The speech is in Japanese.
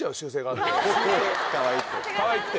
かわいくて。